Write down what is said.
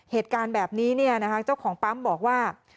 เหตุการณ์แบบนี้เจ้าของปั๊มบอกว่า